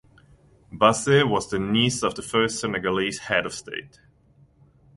Basse was the niece of the first Senegalese Head of State.